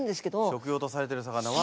食用とされてる魚は。